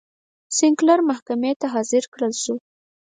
سینکلر محکمې ته حاضر کړل شو.